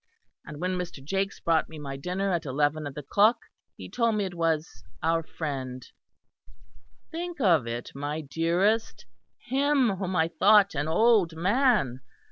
And when Mr. Jakes brought me my dinner at eleven of the clock, he told me it was our friend (think of it, my dearest him whom I thought an old man!)